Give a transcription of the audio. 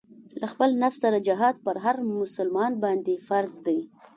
له خپل نفس سره جهاد پر هر مسلمان باندې فرض دی.